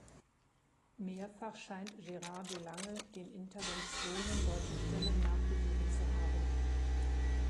Mehrfach scheint Gerard de Lange den Interventionen deutscher Stellen nachgegeben zu haben.